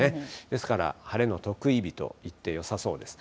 ですから、晴れの特異日といってよさそうです。